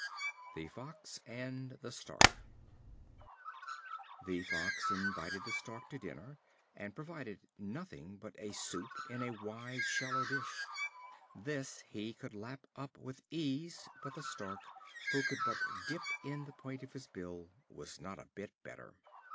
The Fox and the Stork. The Fox invited the Stork to dinner, and provided nothing but a soup, in a wide, shallow dish. This he could lap up with ease; but the Stork, who could but just dip in the point of his bill, was not a bit better.